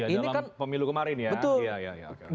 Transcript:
ini kan betul